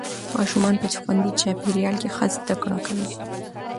ماشومان په خوندي چاپېریال کې ښه زده کړه کوي